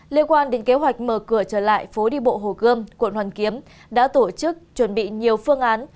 liên quan đến kế hoạch mở cửa trở lại phố đi bộ hồ gươm quận hoàn kiếm đã tổ chức chuẩn bị nhiều phương án